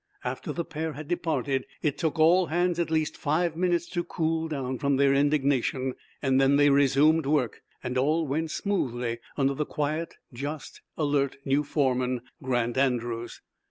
After the pair had departed it took all hands at least five minutes to cool down from their indignation. Then they resumed work, and all went smoothly under the quiet, just, alert new foreman, Grant Andrews.